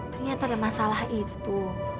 ternyata ada masalah itu